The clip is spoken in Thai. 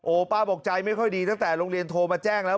ป้าบอกใจไม่ค่อยดีตั้งแต่โรงเรียนโทรมาแจ้งแล้ว